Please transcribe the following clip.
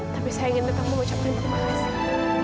tapi saya ingin tetap mengucapkan terima kasih